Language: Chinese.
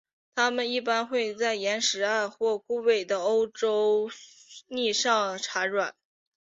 它们一般会在石灰岩或枯萎的欧洲蕨上产卵。